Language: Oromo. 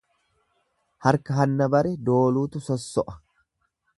Harka hanna bare dooluutu sosso'a.